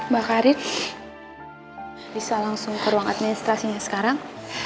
mbak karif bisa langsung ke ruang administrasinya sekarang